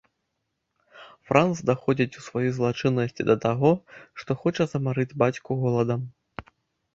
Франц даходзіць у сваёй злачыннасці да таго, што хоча замарыць бацьку голадам.